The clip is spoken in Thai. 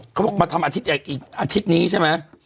เขาบอกมาทำอาทิตย์อีกอาทิตย์นี้ใช่ไหม